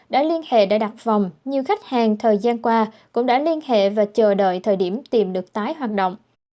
đã liên hệ đã đặt vòng nhiều khách hàng thời gian qua cũng đã liên hệ và chờ đợi thời điểm tìm được tái hoạt động